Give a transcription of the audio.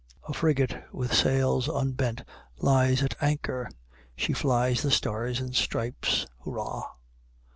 A frigate with sails unbent lies at anchor. She flies the stars and stripes. Hurrah!